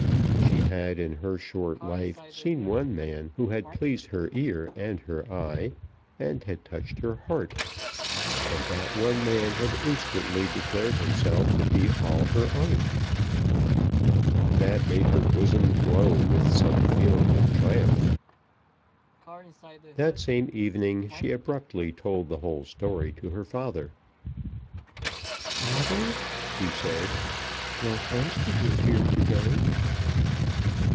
She had in her short life seen one man who had pleased her ear and her eye, and had touched her heart; and that one man had instantly declared himself to be all her own. That made her bosom glow with some feeling of triumph! That same evening she abruptly told the whole story to her father. "Father," she said, "Lord Hampstead was here to day."